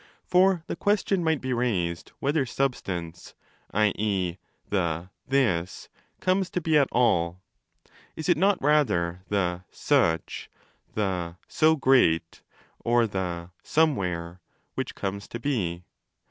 For the question might be raised whether substance (i.e. the ' this') comes to be at all. Is it not rather the 'such', the 'so great', or the 'somewhere', which comes to be?